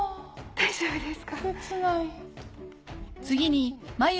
大丈夫です。